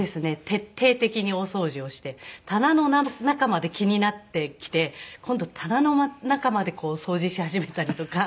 徹底的にお掃除をして棚の中まで気になってきて今度棚の中まで掃除し始めたりとか。